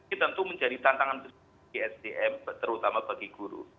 ini tentu menjadi tantangan di sdm terutama bagi guru